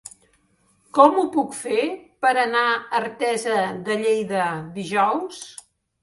Com ho puc fer per anar a Artesa de Lleida dijous?